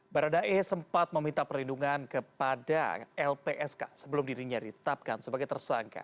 barada e sempat meminta perlindungan kepada lpsk sebelum dirinya ditapkan sebagai tersangka